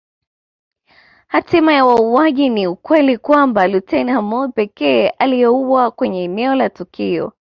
Hatima ya wauaji ni ukweli kwamba luteni Hamoud pekee aliyeuawa kwenye eneo la tukio